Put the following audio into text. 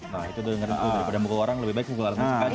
nah itu tuh daripada mukul orang lebih baik mukul alat musik aja ya